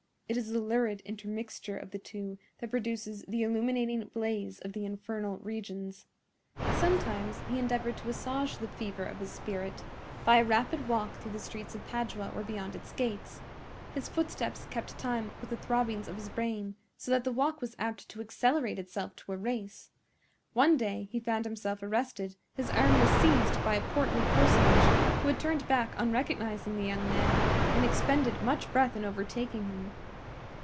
It is the lurid intermixture of the two that produces the illuminating blaze of the infernal regions. Sometimes he endeavored to assuage the fever of his spirit by a rapid walk through the streets of Padua or beyond its gates: his footsteps kept time with the throbbings of his brain, so that the walk was apt to accelerate itself to a race. One day he found himself arrested; his arm was seized by a portly personage, who had turned back on recognizing the young man and expended much breath in overtaking him.